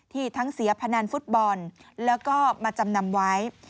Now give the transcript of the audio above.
ทั้งเสียพนันฟุตบอลแล้วก็มาจำนำไว้